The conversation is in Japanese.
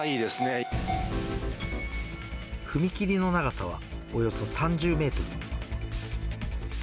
踏切の長さはおよそ３０メートル。